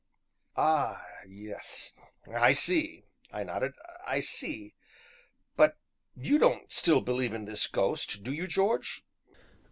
"Ah, yes, I see," I nodded, "I see. But you don't still, believe in this ghost, do you, George?"